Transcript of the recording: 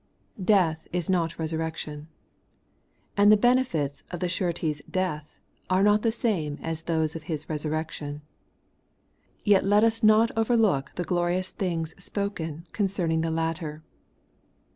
T\EATH is not resurrection ; and the benefits of '^ the Surety's death are not the same as those of His resurrection. Yet let us not overlook the ' glorious things ' spoken concerning the latter.